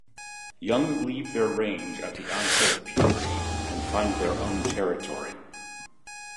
Young leave their range at the onset of puberty, and find their own territory.